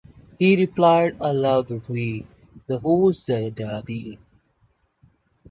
He replied I loved the way the 'Who's The Daddy?